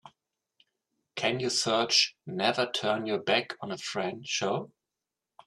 Can you search Never Turn Your Back on a Friend show?